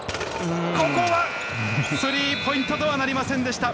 ここはスリーポイントとはなりませんでした。